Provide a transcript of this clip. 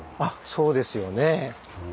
そうですよね。